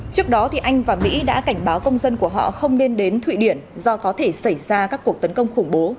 trước đó anh và mỹ đã cảnh báo công dân của họ không nên đến thụy điển do có thể xảy ra các cuộc tấn công khủng bố